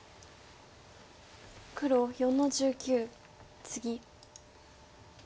黒４の十九ツギ。